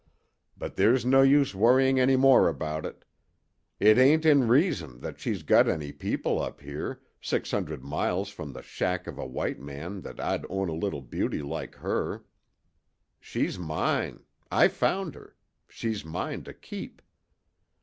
"But there's no use worrying any more about it. It ain't in reason that she's got any people up here, six hundred miles from the shack of a white man that 'd own a little beauty like her. She's mine. I found her. She's mine to keep."